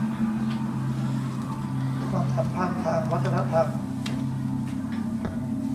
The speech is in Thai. ความสัมพันธ์ทางวัฒนธรรม